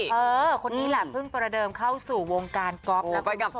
ครอบครัวเนี้ยผิวเพิ่งประเดิมเข้าสู่วงการเก๊าบละคุณผู้ชมค่ะ